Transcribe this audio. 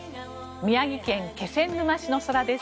宮城県気仙沼市の空です。